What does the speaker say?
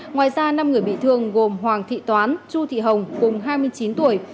ngoài ra năm người bị thương gồm hoàng thị toán chu thị hồng cùng hai mươi chín tuổi